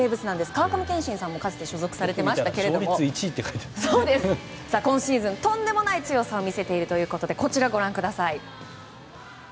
川上憲伸さんもかつて所属されていましたが今シーズンとんでもない強さを見せているということでこちらをご覧ください。